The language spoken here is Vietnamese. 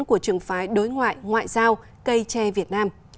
của trường phái đối ngoại ngoại giao cây tre việt nam